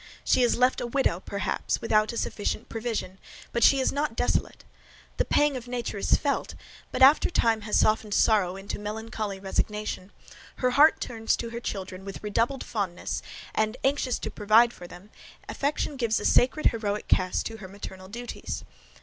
She is left a widow, perhaps, without a sufficient provision: but she is not desolate! The pang of nature is felt; but after time has softened sorrow into melancholy resignation, her heart turns to her children with redoubled fondness, and anxious to provide for them, affection gives a sacred heroic cast to her maternal duties.